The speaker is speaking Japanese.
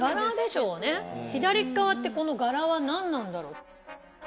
左側ってこの柄何なんだろう？